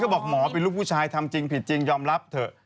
บอกหมอเป็นลูกผู้ชายทำจริงผิดจริงยอมรับเถอะ